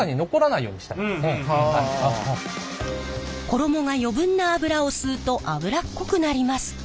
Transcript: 衣が余分な油を吸うと油っこくなります。